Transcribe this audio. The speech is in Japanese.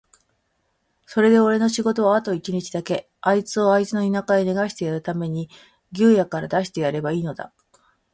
それでおれの仕事はあと一日だけ、あいつをあいつの田舎へ逃してやるために牢屋から出してやればいいのだ。